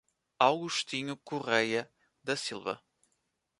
Augostinho Coreia da Silva